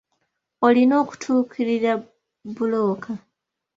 Olina okutuukirira bbulooka.